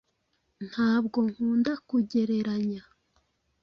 Ntabwo nkunda kugereranya.